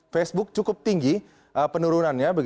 facebook cukup tinggi penurunannya